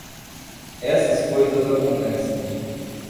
Essas coisas acontecem.